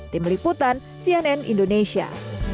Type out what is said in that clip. tim liputan cnn indonesia